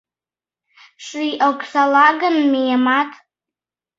— Ший оксала гын, миемат.